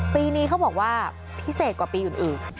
ปีนี้เขาบอกว่าพิเศษกว่าปีอื่น